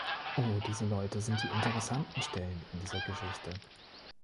Oh, diese Leute sind die interessanten Stellen in dieser Geschichte.